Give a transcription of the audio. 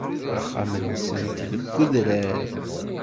Axxam-nsent deg udrar.